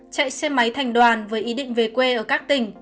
chạy xe máy thành đoàn với ý định về quê ở các tỉnh